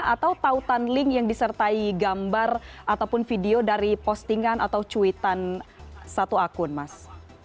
atau tautan link yang disertai gambar ataupun video dari postingan atau cuitan satu akun mas